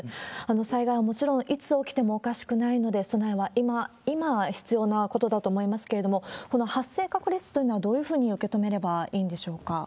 災害はもちろんいつ起きてもおかしくないので、備えは今必要なことだと思いますけれども、この発生確率というのはどういうふうに受け止めればいいんでしょうか。